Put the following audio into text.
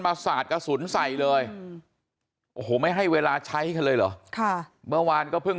สาดกระสุนใส่เลยโอ้โหไม่ให้เวลาใช้กันเลยเหรอค่ะเมื่อวานก็เพิ่ง